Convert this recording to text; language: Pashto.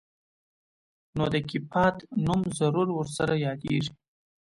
نو د کيپات نوم ضرور ورسره يادېږي.